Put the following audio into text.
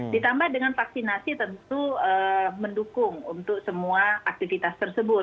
ditambah dengan vaksinasi tentu mendukung untuk semua aktivitas tersebut